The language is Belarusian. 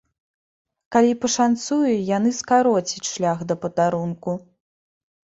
Калі пашанцуе, яны скароцяць шлях да падарунку.